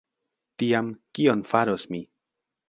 Tiam, kion faros mi?